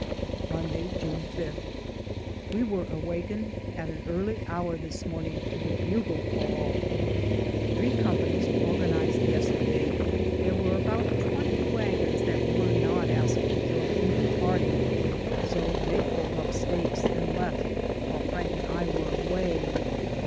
Monday, June 5. We were awakened at an early hour this morning with a bugle call. Three com panies were organized yesterday ; there were about twenty wagons that were not asked to join either party, so they pulled up stakes and left while Frank and I were away.